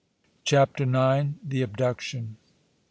CHAPTER IX. THE ABDUCTION.